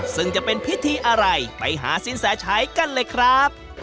ซึ่งจะเป็นพิธีอะไรไปหาสินแสชัยกันเลยครับ